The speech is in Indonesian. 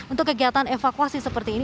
untuk kegiatan evakuasi seperti ini